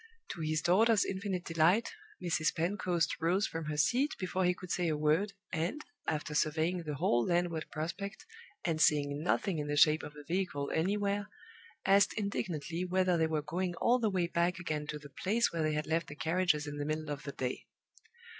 To his daughter's infinite delight, Mrs. Pentecost rose from her seat before he could say a word, and, after surveying the whole landward prospect, and seeing nothing in the shape of a vehicle anywhere, asked indignantly whether they were going all the way back again to the place where they had left the carriages in the middle of the day.